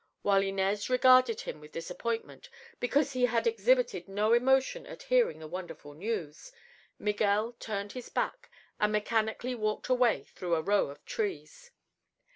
While Inez regarded him with disappointment, because he had exhibited no emotion at hearing the wonderful news, Miguel turned his back and mechanically walked away through a row of trees.